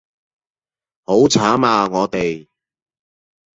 好慘啊我哋